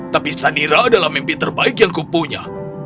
tapi sanira adalah mimpi terbaik yang kupunya